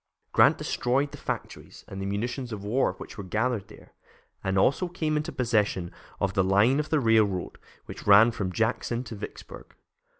Grant destroyed the factories and the munitions of war which were gathered there, and also came into possession of the line of railroad which ran from Jackson to Vicksburg.